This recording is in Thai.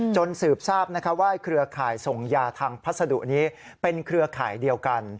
สืบทราบว่าเครือข่ายส่งยาทางพัสดุนี้เป็นเครือข่ายเดียวกัน